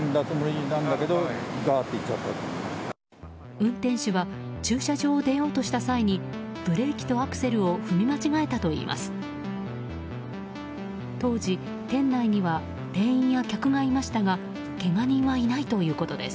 運転手は駐車場を出ようとした際にブレーキとアクセルを踏み間違えたといいます。